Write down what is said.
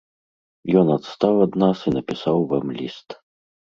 Ён адстаў ад нас і напісаў вам ліст.